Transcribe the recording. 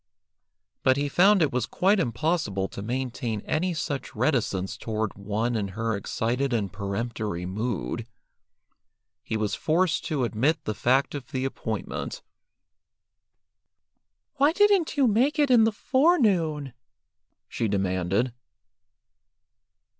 But he found it was quite impossible to maintain any such reticence toward one in her excited and peremptory mood. He was forced to admit the fact of the appointment. "Why didn't you make it in the forenoon?" she demanded.